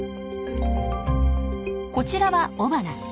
こちらは雄花。